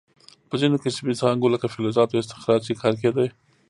په ځینو کسبي څانګو لکه فلزاتو استخراج کې کار کیده.